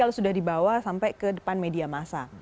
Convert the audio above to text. kalau sudah dibawa sampai ke depan media masa